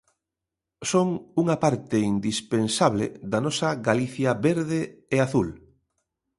Son unha parte indispensable da nosa Galicia verde e azul.